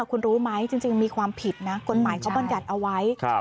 คุณรู้ไหมจริงจริงมีความผิดนะอืมใช่กฎหมายเขาบรรยัตน์เอาไว้ครับ